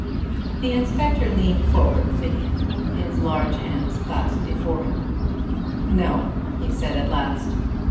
The inspector leaned forward thinking, his large hands clasped before him. "No," he said at last.